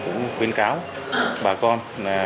cũng khuyến cáo bà con